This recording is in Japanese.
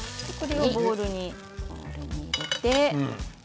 ボウルに移して。